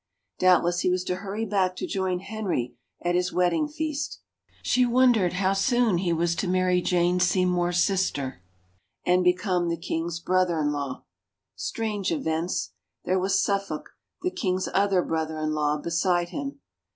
Doubtless he was to hurry back to join Henry at his wedding feast. She wondered how soon he was to marry Jane Seymour's sister and become the king's brother in law. Strange events! There was Suffolk, the king's other brother in law, beside him.